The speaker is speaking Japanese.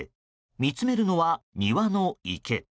見つめるのは庭の池。